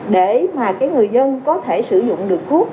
để mà người dân có thể sử dụng được thuốc